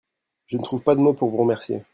Je ne trouve pas de mot pour vous remercier.